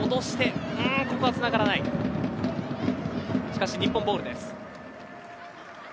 しかし日本ボールです。